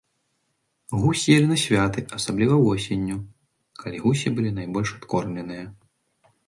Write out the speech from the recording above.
Гусь елі на святы, асабліва восенню, калі гусі былі найбольш адкормленыя.